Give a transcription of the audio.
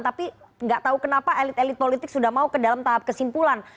tapi nggak tahu kenapa elit elit politik sudah mau ke dalam tahap kesimpulan